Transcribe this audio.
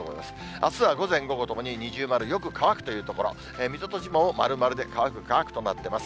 あすは午前、午後ともに二重丸、よく乾くというところ、水戸と千葉も丸、丸で乾く乾くとなってます。